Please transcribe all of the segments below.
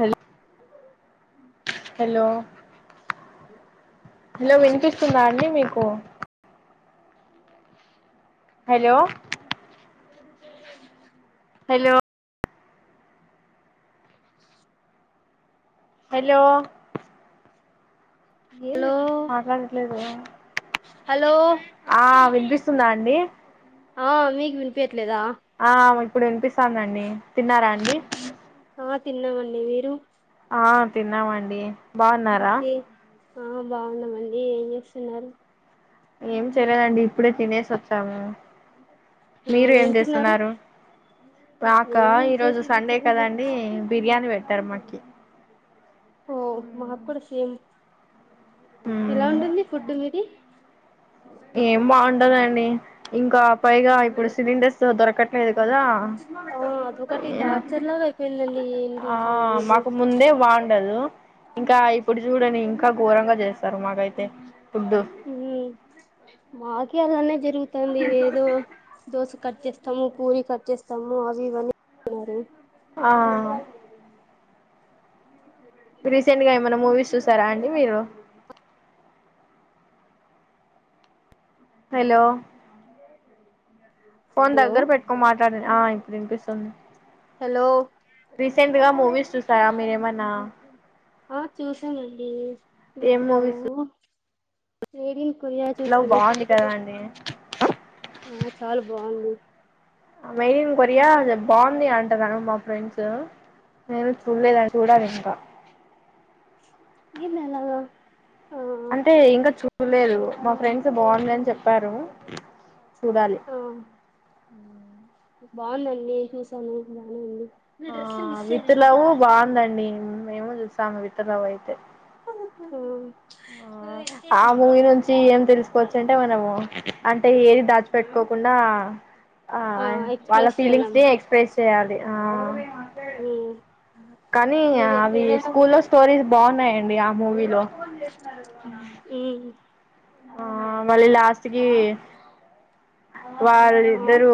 Hello hello hello వినిపిస్తుంద అండి మీకు హలో హలో హలో హలో ఏమి మాట్లాడలేదు హలో ఆ వినిపిస్తుందా అండి ఆ మీకు వినిపియట్లేదా ఆ ఇప్పుడు వినిపిస్తందండి తిన్నారా అండి ఆ తిన్నామండి మీరు ఆ తిన్నామండి బాగున్నారా ఏ ఆ బాగున్నామండి ఏం చేస్తున్నారు ఏం చేయలేదండి ఇప్పుడే తినేసి వచ్చాము ఆ మీరు ఏం తిన్నారు చేస్తున్నారు రాకా మేము ఊకే ఈరోజు సండే తిరుగుతున్నాం కదండి బిర్యానీ పెడతారు మాకి ఓ మాకూడ సేమ్ ఎలా మ్మ్ ఉంటుంది ఫుడ్డు మీది ఏం బాగుంటదండి ఇంకా పైగా ఇప్పుడు సిలిండర్స్ దొరకట్లేదు కదా ఆ అదొకటి ఆ టార్చర్ లాగా అయిపోయిందండి ఏంటో ఆ అసలు మనకి మాకు ముందే బాగుండదు ఇంకా ఇప్పుడు చూడని ఇంకా ఘోరంగా చేస్తారు మాకైతే ఫుడ్డు మాకే అలానే జరుగుతుంది ఏదో దోశ కట్ ఇత్తము పూరి కట్ చేస్తాము అవి ఇవి అని అంటున్నారు ఆ రీసెంట్ గా ఏమైనా మూవీస్ చూసారా అండి మీరు హలో ఫోన్ హలో దగ్గర పెట్టుకొని మాట్లాడి ఆ ఇప్పుడు వినిపిస్తుంది హలో రీసెంట్ గా మూవీస్ చూస్తారా మీరేమన్నా ఆ చూసామండి ఏం వివిత్ర్రావు మూవీస్ ఏడి ఇట్లా బాగుంది కదా అండి ఆ చాలా బాగుంది మైలీన్ కొరియా అ బాంది అంటనుమా ఫ్రెండ్స్ నేను చూడలేదని చూడాలి ఇంకా వీరు నలా అంటే ఇంకా చూడలేదు మా ఫ్రెండ్స్ బాగుంది అని చెప్పారు చూడాలి ఆ బాగుందండి చూసాను బానేండి ఆ వితులవ బాగుందండి మేము చూసాము వితులవ అయితే ఆ ఆ ముూగి నుంచి ఏం తెలుసు కోవచ్చుంటే మనము అంటే ఏది దాచిపెట్టుకోకుండా ఆ వాళ్ళ ఎక్స్ప్రెస్ చేయడం ఫీలింగ్స్ ని ఎక్స్ప్రెస్ చేయాల ఉమ్ కానీ ఏద అవి ఏదైనా స్కూ లో స్టోరీస్ బాగున్నాయండి ఆ మూవీలో ఉమ్ ఆ మళ్ళీ లాస్ట్ కి ఆ వాళ్ళిద్దరు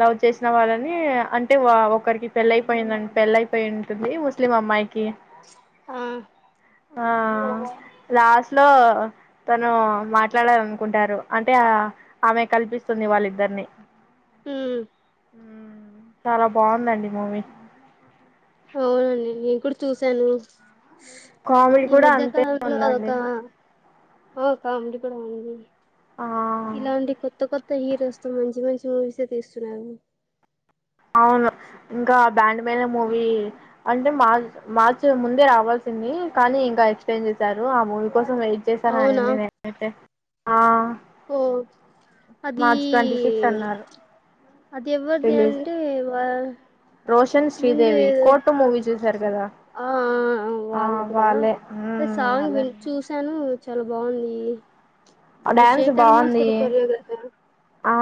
లవ్ చేసిన వాళ్ళని అంటే ఒకరికి పెళ్ళయిపోయిందండి ఎల్లైపోయి ఉంటుంది ముస్లిం అమ్మాయికి ఆ ఆ లాస్ట్ లో మాట్లాడాల అనుకుంటారు అంటే ఆమె కల్పిస్తుంది వాళ్ళిద్దరిని హ చాలా బాగుందండి మూవీ అవునండి నేను కూడా చూసాను కామెడీ ఈ కూడా అంతే మధ్యకాలళ ఉందండి అదొకా ఆ కామిలీ కూడా ఉంది ఆ ఇలాంటి కొత్త కొత్త హీరోస్ తో మంచి మంచి మూవీస్ే తీస్తున్నారు అవును ఇంకా బ్యాండ్ మీద మూవీ అంటే మార్ మార్చ ముందే రావాల్సిన ంది కానీ ఇంకా ఎక్స్ప్లెయిన్ చేశారు ఆ మూవీ కోసం వెయిట్ చేశాను అవునా అనండి నేనైతే ఆ ఓ అది మార్చ్ ట్వంటీ సిక్త్ అన్నారు అది ఇవ్వద్ది అంటే వా కన్ ముందు శ్రీదేవి ఏదో కోట మూవీ చూశారు కదా ఆ ఆ వాళ్ళది కదా వాళ్ళే అ మ్మ్ సాంగ్ వాళ్ళే వి చూసాను చాలా బాగుంది అది డ్యాన్స్ బాగుంది శేఖర్మాసరి కొరియోగ ఆ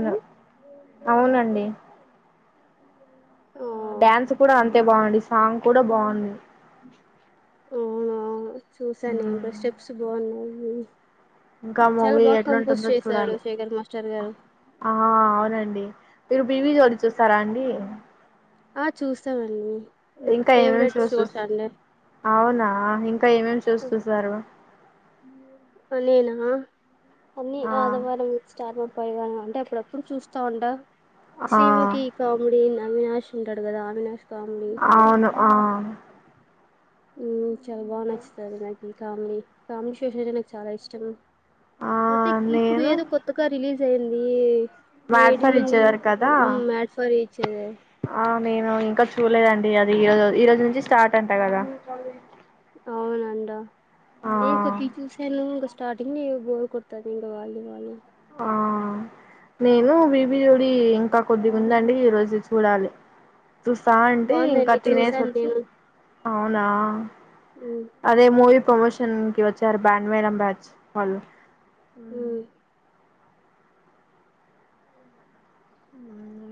అ అవునండి ఆ డ్యాన్స్ కూడా అంతే బాగుంది సాంగ్ కూడా బాగుంది అవును చూసా న ఇం మ్మ్. కూడా స్టెప్స్ బాగున్నాయి ఇంకా చాలా మూవీ బాగా కంపోజ్ ఎట్లాంటుందో చేశాడు చూడాలి శేఖర్ మాస్టర్ గారు ఆ అవునండి మీరు బివ జోడి చూస్తారా అండి ఆ చూసామండి ఇంకా ఎన్ని నిమిషాలు వూ అవునా ఆ ఇంకా ఏమేమి చూస్త ఆ, సారు నేనా అన్ని ఆ ఆదివారం ఇచ్చారు పై అంటే అప్పుడప్పుడు చూస్తా ఉంటా ఆ శ్రీవుకి కామెడీ అవినాష్ ఉంటడు కదా అవినాష్ కామెడీ అవును ఆ ఊ చాలా బాగా నచ్చుతుది నాకి కామిడి కామిడి శూషన్ నాకు చాలా ఇష్టం ఆ హృతిక్ ఇప్పుడు నేను ఏదో కొత్తగా రిలీజ్ అయింది మ్యాడ్ వేడిన్ ఫర్ ఈచ్ అదర్ కదా ఊ మాడ్ ఫర్ ఈచ్ అదర్ ఆ నేను ఇంకా చూలేదండి అది ఈ ఓ ఓ ఈ రోజు నుంచి స్టార్ట్ అంటా కదా అవునంట ఆ ఏ కొద్ది చూస ఇంకొస్ స్టార్టింగ్ ఇగ బోర్ కొడుతది ఇంకా వాలు వాలు ఆ నేను బిబి జోడి ఇంకా కొద్దిగా ఉందండి ఈ రోజు చూడాలి చూస్తాంటి ఇంకా బాగుందండి తినేసి చూసాను వచ్చి నేను అవునా ఉమ్ అదే మూవి ప్రమోషన్ కి వచ్చేరు బ్యాండ్ మేళం బ్యాచ్ వాళ్ళు ఉమ్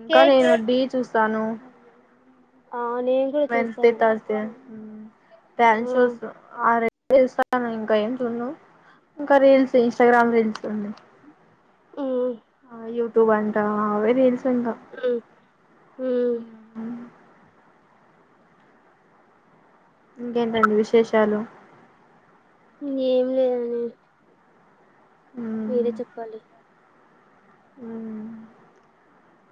ఇంకా నేను కేక్స్ డీ చూస్తాను ఆ నేను కూడా వెన్స్ డే చూస్తాను తస్ డే అన్ ఆ ప్యాన్షోసు ఆరే తెస్తాను ఇంకా ఏం తున్ను ఇంకా రీల్స్ ఇంస్టాగ్రామ్ రీల్స్ ఉంది ఉమ్ ఆ యూట్యూబ్ అంట అవే రీల్స్ ట్రింగ ఉమ్ ఉమ్ ఊ ఇంకేంటండి విశేషాలు ఇంగ ఏం లేదని మీరే చెప్పాలి వమ్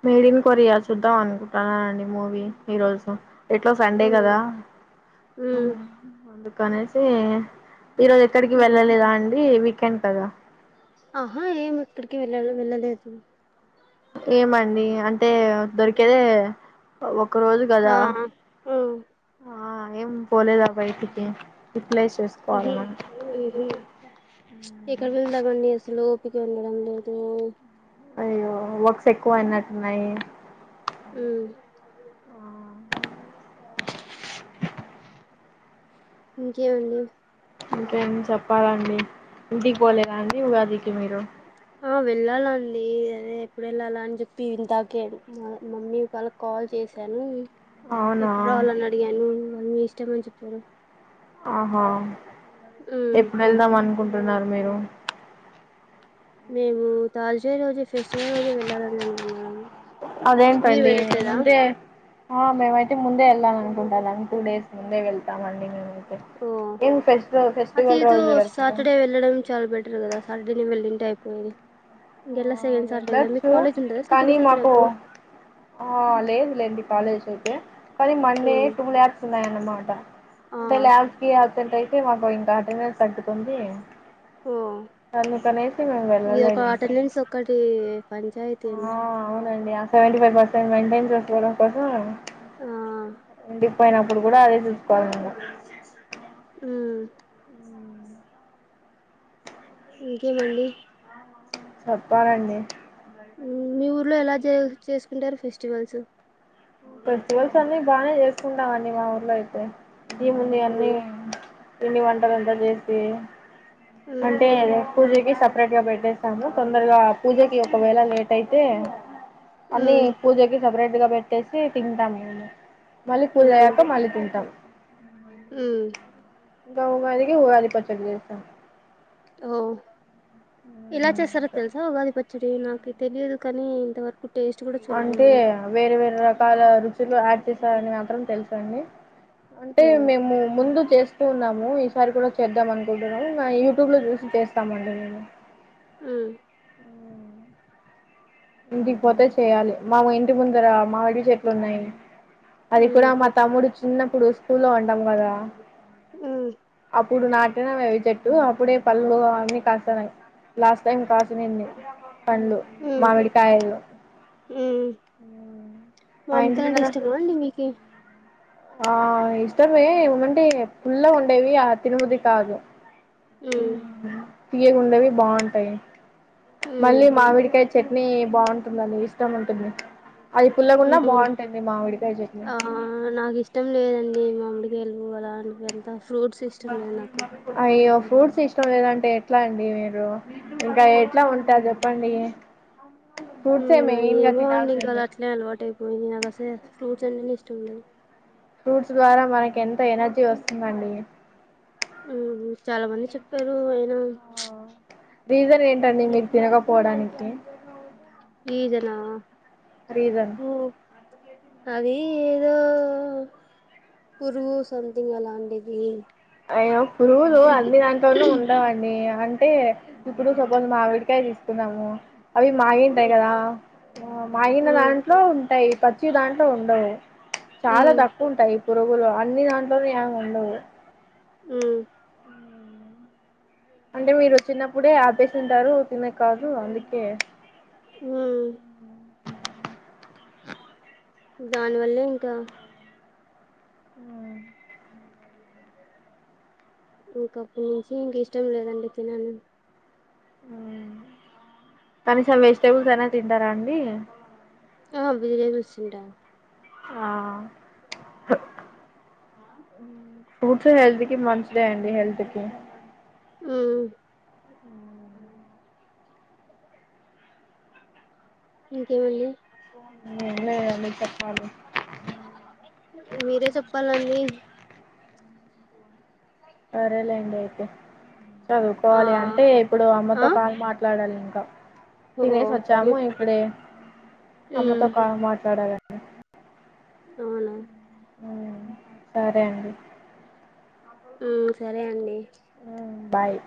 మేడ్ ఇన్ కొరియా చూద్దాం అనుకుంటున్నా అండి మూవీ ఈరోజు ఎట్లో సండే ఉమ్ కదా అమ ఉమ్ అందు అనేసి ఈరోజు ఎక్కడికి ఉమ్ వెళ్ళలేదా అండి వీకెండ్ కదా అహా ఏం ఎక్కడికి వెళ్ళ వెళ్ళలేదు ఏమండి అంటే దొరికేద ఒ ఒక రోజు కదా ఆ ఆ ఆ ఏం పోలేదా బయటికి యూటిలైజ్ చేసుకోవాలి ఇహి మనం ఈహి ఎక బళ్ దబల్ ఏసులు ఇక ఎలడం లేదు అయ్యో వర్క్స్ ఎక్కువ అయినట్ ఉన్నాయి ఊ ఇంకేమండి ఇకేం చెప్పాలండి ఇంటికి పోలేదాండి ఉగాదికి మీరు ఆ వెళ్ళాలాండి అదే ఎప్పుడు వెళ్ళాల అని చెప్పి ఇందాకే మ మమ్మీ ఆలకు కాల్ చే చేసాను అవునా ఎప్పుడు రావాలని అడిగాను వాళు మీ ఇష్టం అని చెప్పారు ఆహా ఉమ్ ఎప్పుడు వెళ్దాం అనుకుంటు డున్నారు మీరు మేము తాస్డే రోజే ఫెస్టివల్ రోజే వెళ్ళాలని అనుకుంటనం అదేంటండి ముందే ఆ మేమైతే ముందే వెళ్ళాలి అనుకుంటున్నాం టూ డేస్ ముందే వెళ్తామండి మేము ఓ అతితో రోజు వెళ్తారు సాటర్డే వెళ్లడం చాల బెటర్ కదా సాటర్డేనే వెళ్ళింటే అయిపోయేది ఇంకెల్లా ఆ సెకండ్ సాటడే కదా మీక్ వెళ్ళొచ్చు కాలెజ్ ఉంటద కానీ సెకండ్ మాకు సాటర్డేప్పుడు ఆ లేదు లేండి కాలేజు కానీ మండే ఉమ్, టూ లాబ్స్ ఉన్నయన్నమాట ఆ అంటే ల్యాబ్స్ కి ఆ తెంత్ అయితే మాకు ఇంకా అటెండ్స్ తగ్గుతుంది ఓ అందుకనేసి మేం వెళ్ళలేదు ఇంక పంచాయతి ఎంది అవునండి ఆ సెవెంటీ ఫైవ్ పర్సెంట్ మెయింటైన్ చేసుకోవడం కోసము ఆ ఉండిపోయినప్పుడు కూడా అదే చూసుకోవాలి మనము ఉమ్ ఇంకేమండి చెప్పాలండి మీ ఊర్లో ఎలా చే చేసుకుంటారు ఫెస్టివల్స్? ఫెస్టివల్స్ అన్ని బానే చేసుకుంటామండి మా ఊర్లో అయితే ఇ ముందు అన్నీ పిండి వంటలు అంత చేసి ఉమ్ అంటే పూజకి సపరేట్ గా పెట్టేస్తాము. తొందరగా పూజకి ఒకవేళ లేట్ అయితే అన్ని ఉమ్ పూజకి సపరేట్ గా పెట్టేసి తింటాం మేము. మళ్ళీ పూజ అయ్యాక మళ్ళీ తింటాం. మ్ గా ఉగాది కి ఉగాది పచ్చడ చేస్తాం. ఓ ఏలా చేస్తర తెల్సా ఉగాది పచ్ ఇది నాకు తెలిదు కానీ ఇంతవరకు టేస్ట్ కూడా చూడలే అంటే నేను వేరే వేరే రకాల రుచులు యాడ్ చేసారని మాత్రం తెలుసు అండి. అంటే ఉమ్ మేము ముందు చే చేస్తున్నాము ఈసారి కూడా చేద్దాం అనుకుంటున్నాము ఇంగ యూట్యూబ్ లో చూసి చేస్తామండి మేము. ఉ ఇంటికి పోతే చేయాలి మా ఇంటి ముందర మావిడి చెట్లు ఉన్నాయి. అది కూడా ఉమ్ మా తమ్ముడు చిన్నప్పుడు స్కూల్లో ఉంటాం కదా. ఉ అప్పుడు నాటిన రేవి చెట్టు అప్పుడే పళ్లు అవన్నీ కాస్తానయి లాస్ట్ టైమ్ కాసనేంది. పండ్లు, ఉమ్ మామిడి కాయలు హ్మ్ మామిడికాయలంటే ఇష్టమా అండి మీకి? ఆ ఇష్టమే ఉ అంటే పుల్లగా ఉండేవి అ తిన బుద్ది కాదు. ఉ తీయగుండేవి బావుంటాయి హ్మ్ మళ్ళీ మామిడికాయ చట్నీ బావుంటుందండి ఇష్టం ఉంటుంది. అది పుల్లగున్నా మ్ బాగుంటుంది మామిడికాయ చట్నీ ఆ నాకు ఇష్టం లేదండి మామిడి గెలువలాని అంత అయ్యో ఫ్రూట్స్ ఇష్టం లేదంటే ఎట్లా అండి మీరు ఇంకా ఎట్ల ఉంట చెప్పండి. ఉ ఫ్రూట్సే మెయిన్ గా ఏమో అండి ఇంకా అలా తినాల్సింది అట్లే అలవాటు అయిపోయి అసలే ఫ్రూ జోన్నలు ఇష్టం ఉండదు. ఫ్రూట్స్ ద్వారా మనకి ఎంత ఎనర్జీ వస్తుందండి. ఉహు చాలా మంది చెప్పారు అయినా చ్ రీజన్ ఏంటండి మీరు తినకపోవడానికి? ఈ జన రీజన్ ఊ అది ఏదో పురుగు సంథింగ్ అలాంటిది. అయ్యో పురుగులు తెలీదు. అన్ని దాంట్లోనూ ఉండవండి. అంటే ఇప్పుడు సపోజ్ మావిడికాయ తీసుకున్నాము అవి మాగి ఉంటాయి హ్మ్ కదా. మాగిన హ్మ్ దాంట్లో ఉంటాయి. పచ్చి దాంట్లో ఉండవు చాలా తక్కువ ఉంటాయి. పురుగులు అన్ని దాంట్లో ఏ ఉండవు. ఊ అంటే మీరు చిన్నప్పుడే ఆపేసి ఉంటారు తినె కాదు అందుకే హు దానివల్ల ఇంకా మ్మ్ ఇంకా అప్పటినుంచి ఇంక ఇష్టం లేదండి తినను కనీసం వెజిటేబుల్స్ అనా తింటారా అండి. ఆ వెజిటేబుల్స్ తింటా ఆ ఫ్రూట్స్ హెల్త్ కి మంచిదే అండి హెల్త్ కి హు ఇంకేం అండి ఏం లేదండి చెప్పాలి మీరే చెప్పాలన్నీ సరేలేండి అయితే ఆ చదువుకోవాలి అంటే ఇప్పుడు ఆ అమ్మతో కాల్ మాట్లాడాలి ఇంకా ఓ తినేసి వచ్చాము ఇప్పుడే అమ్మతో మ్మ్ కాల్ మాట్లాడాల అవునా హ్మ్ సరే అండి హ్మ సరే అండి హు బాయ్